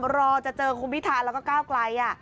รอจะเจอคุณพิธาแล้วก็ก้าวไกล